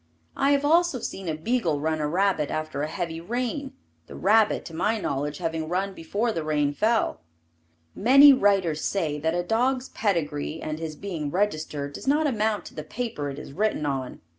I have also seen a beagle run a rabbit after a heavy rain, the rabbit, to my knowledge, having run before the rain fell. Many writers say that a dog's pedigree and his being registered, does not amount to the paper it is written on.